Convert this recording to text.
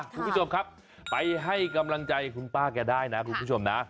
คุณผู้ชมครับไปให้กำลังใจคุณป้าแกได้นะคุณผู้ชมนะ